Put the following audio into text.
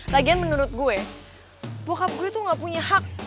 lagian menurut gue bokap gue tuh nggak punya hak